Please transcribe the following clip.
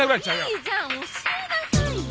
いいじゃん教えなさいよ！